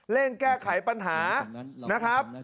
แก้ไขปัญหานะครับ